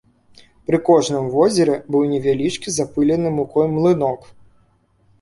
Пры кожным возеры быў невялічкі запылены мукой млынок.